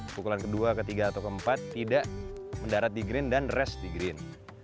pukulan kedua ketiga atau keempat tidak mendarat di green dan rest di green